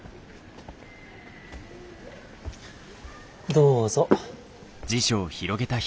どうぞ。